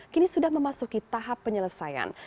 kini sudah memasuki tahap penyelesaian